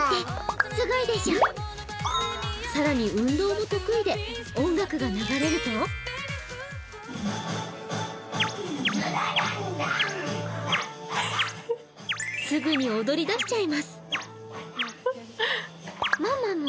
更に運動も得意で音楽が流れるとすぐに踊り出しちゃいます。